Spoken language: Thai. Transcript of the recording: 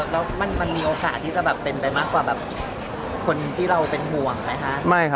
อ๋อแล้วมันมีโอกาสที่จะเป็นไปมากกว่าคนที่เราเป็นห่วงไหมครับ